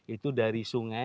itu dari sungai